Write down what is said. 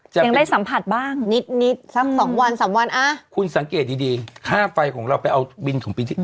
ยังได้สัมผัสบ้างนิดนิดสักสองวันสามวันอ่ะคุณสังเกตดีดีค่าไฟของเราไปเอาบินของบินที่ไหน